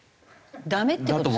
ダメって事ですか？